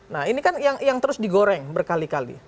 nah ini kan yang terus digoreng berkali kali